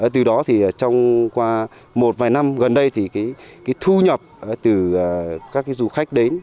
từ đó thì trong qua một vài năm gần đây thì cái thu nhập từ các du khách đến